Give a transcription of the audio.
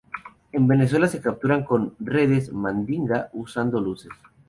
En Venezuela se captura con redes "mandinga" usando luces.